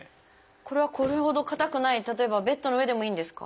これはこれほど硬くない例えばベッドの上でもいいんですか？